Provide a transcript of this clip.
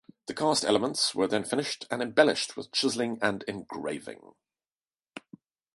The cast elements were then finished and embellished with chiseling and engraving.